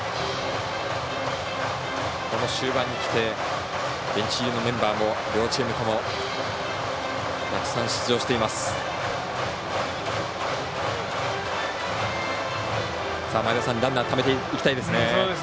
この終盤にきてベンチ入りのメンバーも両チームともたくさん出場しています。